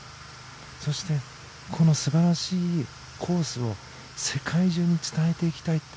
そして、この素晴らしいコースを世界中に伝えていきたい。